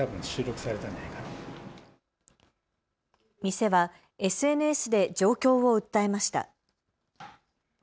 店はＳＮＳで状況を訴えました。